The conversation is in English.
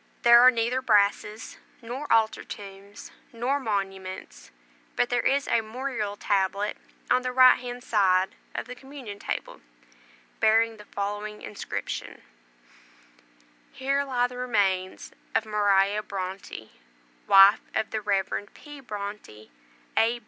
There are neither brasses, nor altar tombs, nor monuments, but there is a mural tablet on the right hand side of the communion table, bearing the following inscription: HERE LIE THE REMAINS OF MARIA BRONTE, WIFE OF THE REV. P. BRONTE, A.